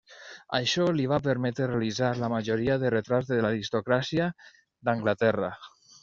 Això li va permetre realitzar la majoria de retrats de l'aristocràcia d'Anglaterra.